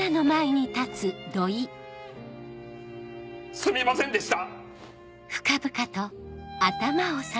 すみませんでした！